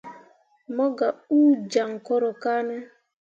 Mo gah uu jaŋ koro kane.